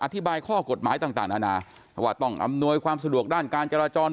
อธิบายข้อกฎหมายต่างนานาว่าต้องอำนวยความสะดวกด้านการจราจร